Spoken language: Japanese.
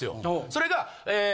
それがえ